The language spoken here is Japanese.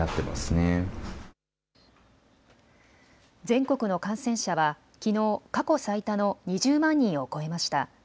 全国の感染者はきのう、過去最多の２０万人を超えました。